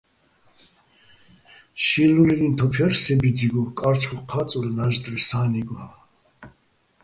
შინლულილიჼ თოფ ჲარ სე ბიძიგო, კარჩხოხ ჴა́წურ ნაჟტრე სა́ნიგო.